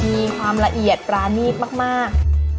มีความละเอียดปรานีตมาก